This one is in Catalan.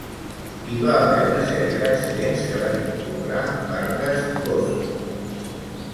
Hi va haver una sèrie d'accidents que van involucrar barques Gozo.